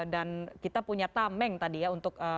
dan kita punya tameng tadi ya untuk